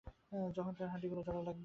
যখন তার হাড্ডিগুলো জোড়া লাগবে।